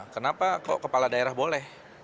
kenapa kok kepala daerah boleh